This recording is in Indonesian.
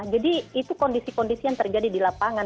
jadi itu kondisi kondisi yang terjadi di lapangan